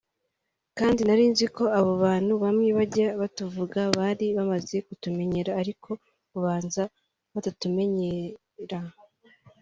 kandi nari nziko abo bantu bamwe bajya batuvuga bari bamaze kutumenyera ariko ubanza batatumenyera